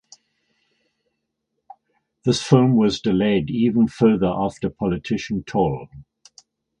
The film was delayed even further after politician Thol.